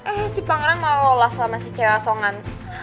eh si pangeran malah lolos sama si cewek asongan